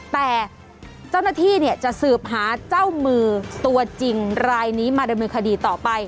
แต่เจ้าหน้าที่จะสืบหาเจ้ามือตัวจริงรายนี้มาดำเนินคดีต่อไป